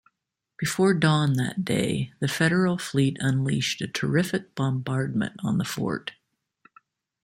Before dawn that day, the Federal fleet unleashed a terrific bombardment on the fort.